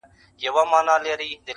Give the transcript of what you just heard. چي پر خره زورور نه یې پهلوانه،